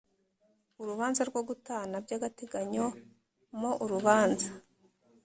Urubanza rwo gutana by agateganyo mo urubanza